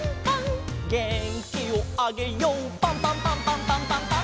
「げんきをあげようパンパンパンパンパンパンパン！！」